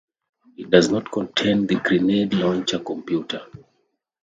It does not contain the grenade launcher computer.